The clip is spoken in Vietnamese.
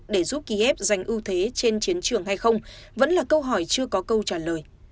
để giúp kiev giành ưu thế trên chiến trường hay không vẫn là câu hỏi chưa có câu trả lời